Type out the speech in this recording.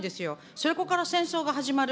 そこから戦争がはじまる。